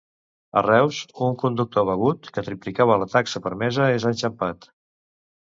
A Reus un conductor begut que triplicava la taxa permesa és enxampat.